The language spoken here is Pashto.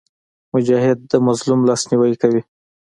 مجاهد د مظلوم لاسنیوی کوي.